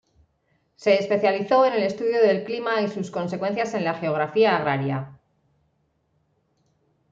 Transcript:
Se especializó en el estudio del clima y sus consecuencias en la geografía agraria.